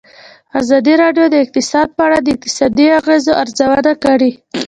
ازادي راډیو د اقتصاد په اړه د اقتصادي اغېزو ارزونه کړې.